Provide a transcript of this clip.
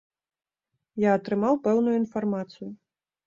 Я атрымаў пэўную інфармацыю.